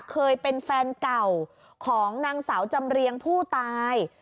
เคยเป็นแฟนเก่าของนางสาวจำเรียงผู้ตาย